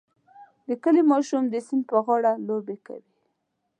د کلي ماشوم د سیند په غاړه لوبې کوي.